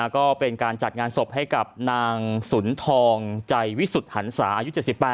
ก็เป็นการจัดงานศพให้กับนางสุนทองใจวิสุทธิหันศาอายุ๗๘